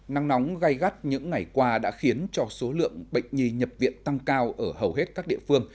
nắng nóng gai gắt những ngày qua đã khiến cho số lượng bệnh nhi nhập viện tăng cao ở hầu hết các địa phương